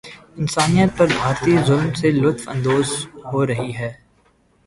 انسانیت پر بھارتی ظلم سے لطف اندوز ہورہی ہے